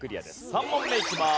３問目いきます。